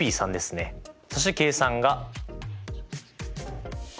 そして計算が。